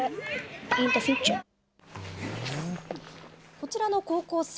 こちらの高校生。